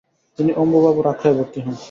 তিনি অম্বুবাবুর আখড়ায় ভর্তি হন।